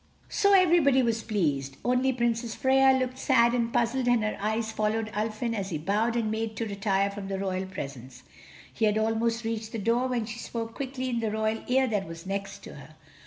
So everybody was pleased: only Princess Freia looked sad and puzzled and her eyes followed Ulfin as he bowed and made to retire from the royal presence. He had almost reached the door when she spoke quickly in the royal ear that was next to her.